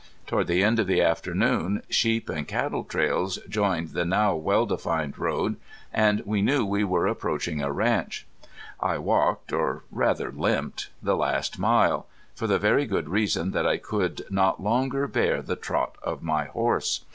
Toward the end of the afternoon sheep and cattle trails joined the now well defined road, and we knew we were approaching a ranch. I walked, or rather limped the last mile, for the very good reason that I could not longer bear the trot of my horse.